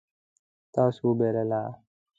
تاسو وبایلله